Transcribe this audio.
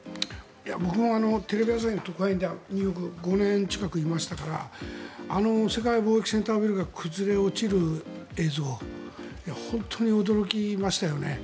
僕もテレビ朝日の特派員でニューヨーク５年近くいましたからあの世界貿易センタービルが崩れ落ちる映像本当に驚きましたよね。